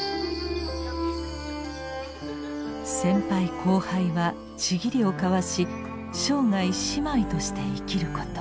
先輩後輩は契りを交わし生涯姉妹として生きること。